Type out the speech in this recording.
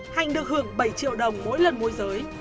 thành được hưởng bảy triệu đồng mỗi lần môi giới